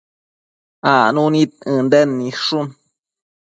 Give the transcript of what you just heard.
acnu nid Ënden nidshun